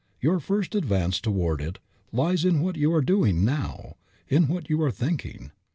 Your first advance toward it lies in what you are doing now, in what you are thinking.